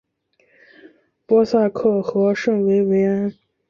波萨克和圣维维安。